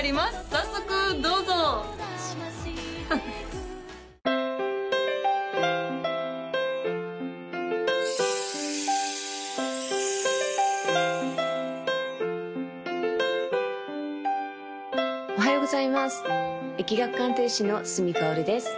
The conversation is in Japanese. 早速どうぞおはようございます易学鑑定士の角かおるです